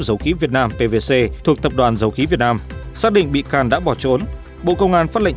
dầu khí việt nam pvc thuộc tập đoàn dầu khí việt nam xác định bị can đã bỏ trốn bộ công an phát lệnh